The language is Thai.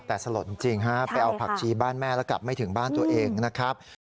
แต่สลดจริงฮะไปเอาผักชีบ้านแม่แล้วกลับไม่ถึงบ้านตัวเองนะครับ